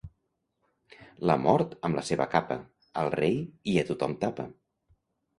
La mort amb la seva capa, al rei i a tothom tapa.